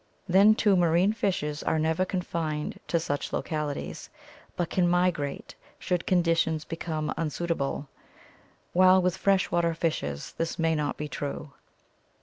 Then, too, marine fishes are never confined to such localities, but can migrate should condi tions become unsuitable; while with fresh water fishes this may not be true.